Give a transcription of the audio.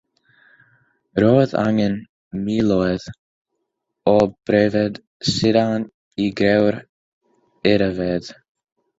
Roedd angen miloedd o bryfed sidan i greu'r edafedd.